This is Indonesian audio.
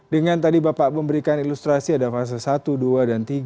dengan tadi bapak memberikan ilustrasi ada fase satu dua dan tiga